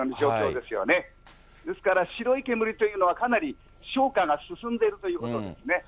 ですから、白い煙というのは、かなり消火が進んでいるということですね。